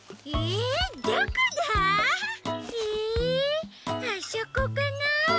えあそこかな？